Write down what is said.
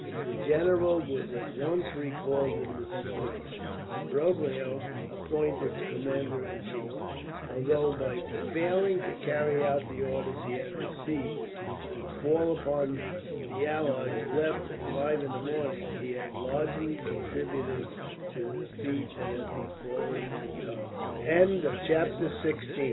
The general was at once recalled in disgrace, and Broglio appointed commander in chief; although by failing to carry out the orders he had received, to fall upon the allies left at five in the morning, he had largely contributed to the defeat that had befallen Contades. Chapter 17